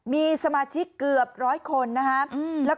มีสมาชิกเกือบร้อยคนนะครับ